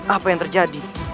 apa yang terjadi